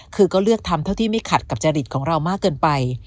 คือก็เลือกทำเท่าที่ไม่ขัดกับจริตของเรามากเกินไป